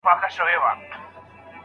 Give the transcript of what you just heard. څېړونکی به د استاد له مشورو ګټه واخلي.